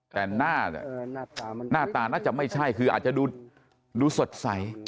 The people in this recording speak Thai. แต่หน้าตาน่าจะไม่ใช่คืออาจจะดูสดใส